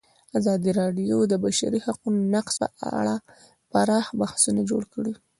ازادي راډیو د د بشري حقونو نقض په اړه پراخ بحثونه جوړ کړي.